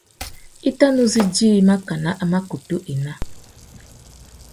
I tà nu zu djï makana a mà kutu ena.